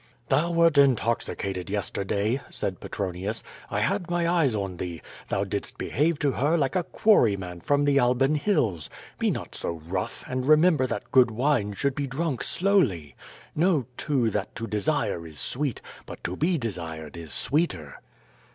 "Thou wert intoxicated yesterday,^^ said Petronius. "I had my eyes on thee. Thou didst behave to her like a quarryman from the Alban hills. Be not so rough, and remember that good wine should be drunk slowly. Know, too, that to de sire is sweet, but to be desired is sweeter.